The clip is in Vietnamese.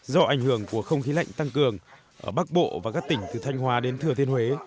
do ảnh hưởng của không khí lạnh tăng cường ở bắc bộ và các tỉnh từ thanh hóa đến thừa thiên huế